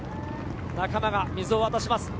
仲間が水を渡します。